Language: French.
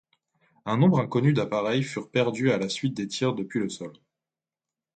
Un nombre inconnu d'appareils furent perdus à la suite de tirs depuis le sol.